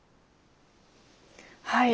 はい。